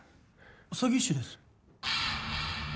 詐欺師です